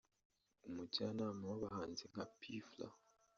umujyanama w’abahanzi nka P Fla